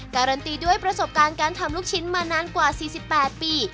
การันตีด้วยประสบการณ์การทำลูกชิ้นมานานกว่า๔๘ปี